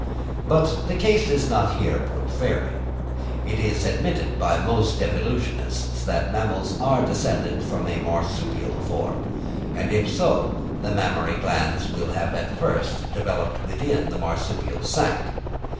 But the case is not here put fairly. It is admitted by most evolutionists that mammals are descended from a marsupial form; and if so, the mammary glands will have been at first developed within the marsupial sack.